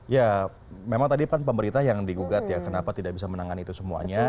ya memang tadi kan pemerintah yang digugat ya kenapa tidak bisa menangani itu semuanya